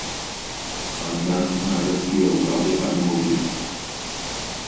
Аднак гарадскія ўлады адмовілі.